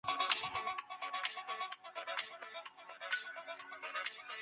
班戈毛茛为毛茛科毛茛属下的一个种。